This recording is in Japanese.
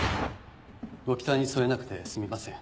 ご期待に添えなくてすみません。